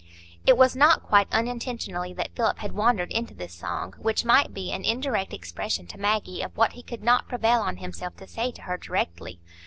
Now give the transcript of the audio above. '" It was not quite unintentionally that Philip had wandered into this song, which might be an indirect expression to Maggie of what he could not prevail on himself to say to her directly.